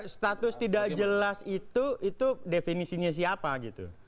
status tidak jelas itu itu definisinya siapa gitu